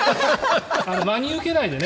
真に受けないでね。